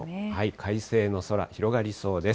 快晴の空、広がりそうです。